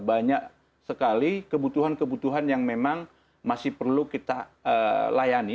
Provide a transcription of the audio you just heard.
banyak sekali kebutuhan kebutuhan yang memang masih perlu kita layani